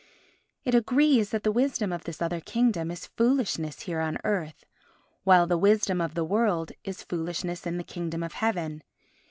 It agrees that the wisdom of this other kingdom is foolishness here on earth, while the wisdom of the world is foolishness in the Kingdom of Heaven.